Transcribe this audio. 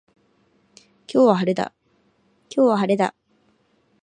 今日は晴れだ